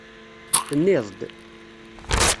Tenniḍ-d.